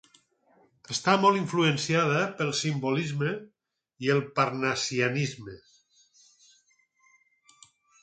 Està molt influenciada pel simbolisme i el parnassianisme.